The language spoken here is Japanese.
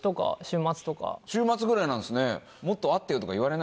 週末ぐらいなんですね。